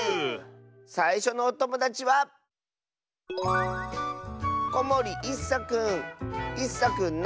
さいしょのおともだちはいっさくんの。